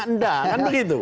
tidak kan begitu